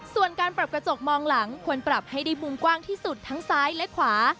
ส่วนการปรับกระจกมองหลังควรปรับให้ได้มุมกว้างที่สุดทั้งซ้ายและขวา